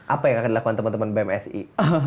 apa yang akan dilakukan teman teman bmsi